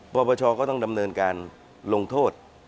ปปชก็ต้องดำเนินการลงโทษ